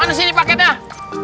ga ada masalah apa apa sih